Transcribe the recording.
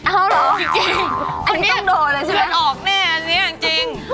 เอ้าหรออันนี้ต้องโดนเลยใช่มั้ยอันนี้ออกแน่นี่จริง